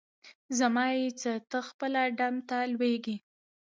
زما یی په څه؟ ته خپله ډم ته لویږي.